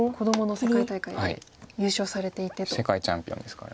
世界チャンピオンですから。